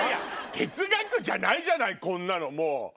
哲学じゃないじゃないこんなのもう。